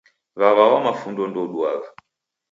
W'aw'a wa mafundo ndouduagha.